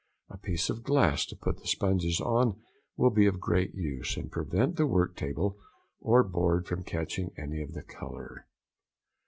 A piece of glass to put the sponges on will be of great use, and prevent the work table or board from catching any of the colour.